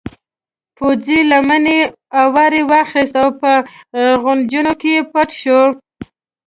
پوځي لمنې اور واخیست او په غوړنجو کې پټ شو.